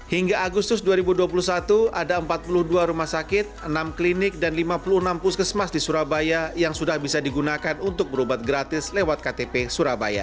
hingga agustus dua ribu dua puluh satu ada empat puluh dua rumah sakit enam klinik dan lima puluh enam puskesmas di surabaya yang sudah bisa digunakan untuk berobat gratis lewat ktp surabaya